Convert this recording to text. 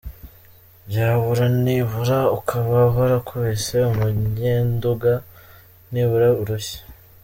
Byabura nibura ukaba warakubise umunyenduga nibura urushyi.